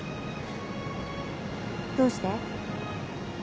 どうして？